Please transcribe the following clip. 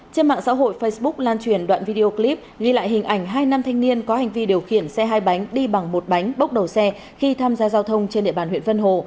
trên mạng xã hội facebook lan truyền đoạn video clip ghi lại hình ảnh hai nam thanh niên có hành vi điều khiển xe hai bánh đi bằng một bánh bốc đầu xe khi tham gia giao thông trên địa bàn huyện vân hồ